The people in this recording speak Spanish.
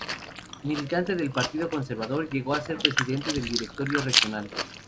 Militante del Partido Conservador, llegó a ser presidente del directorio regional.